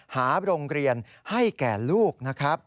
หาโรงเรียนให้แก่ลูกนะครับ